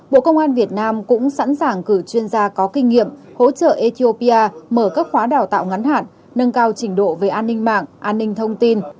bộ công an việt nam cũng sẵn sàng cử chuyên gia có kinh nghiệm hỗ trợ ethiopia mở các khóa đào tạo ngắn hạn nâng cao trình độ về an ninh mạng an ninh thông tin